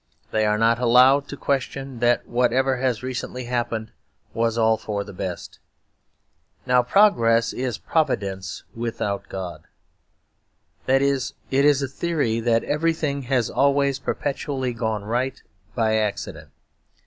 They are not allowed to question that whatever has recently happened was all for the best. Now Progress is Providence without God. That is, it is a theory that everything has always perpetually gone right by accident.